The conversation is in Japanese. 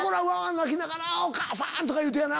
泣きながら「お母さん！」とか言うてやな。